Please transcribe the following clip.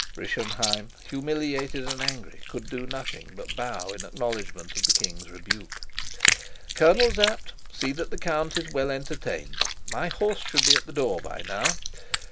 Rischenheim, humiliated and angry, could do nothing but bow in acknowledgment of the king's rebuke. "Colonel Sapt, see that the count is well entertained. My horse should be at the door by now.